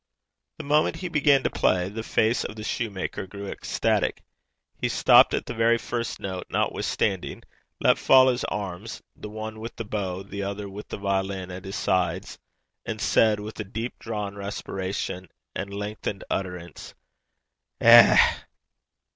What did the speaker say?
The moment he began to play, the face of the soutar grew ecstatic. He stopped at the very first note, notwithstanding, let fall his arms, the one with the bow, the other with the violin, at his sides, and said, with a deep drawn respiration and lengthened utterance: 'Eh!'